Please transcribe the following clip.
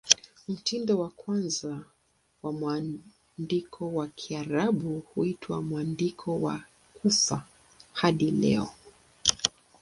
Mtindo wa kwanza wa mwandiko wa Kiarabu huitwa "Mwandiko wa Kufa" hadi leo.